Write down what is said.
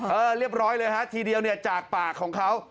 เรียบร้อยเลยฮะทีเดียวเนี่ยจากปากของเขา